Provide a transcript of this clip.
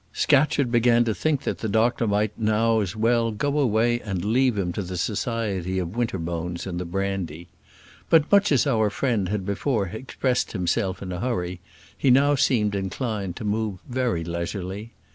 Scatcherd began to think that the doctor might now as well go away and leave him to the society of Winterbones and the brandy; but, much as our friend had before expressed himself in a hurry, he now seemed inclined to move very leisurely.